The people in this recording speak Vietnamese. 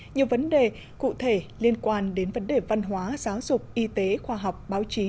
nhiều vấn đề cụ thể liên quan đến vấn đề văn hóa giáo dục y tế khoa học báo chí